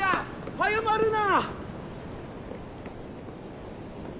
早まるな！